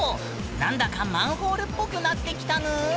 何だかマンホールっぽくなってきたぬん。